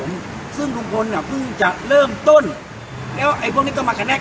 มีการพลาดมีหมอตาอะไรยังไงด้วยแล้วเอ่อเขามีการพลาดพลิง